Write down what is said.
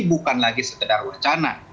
bukan lagi sekedar wacana